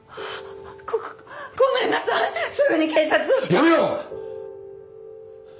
やめろ！